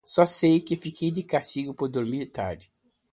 Só sei que fiquei de castigo por dormir tarde.